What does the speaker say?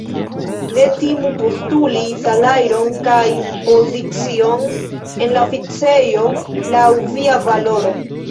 Ne timu postuli salajron kaj pozicion en la oficejo laŭ via valoro.